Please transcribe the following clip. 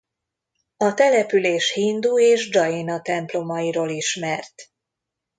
A település hindu és dzsaina templomairól ismert.